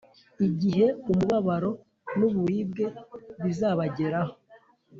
Igihe umubabaro n’uburibwe bizabageraho